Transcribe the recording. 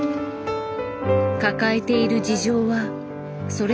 抱えている事情はそれぞれ違う。